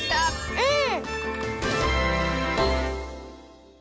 うん！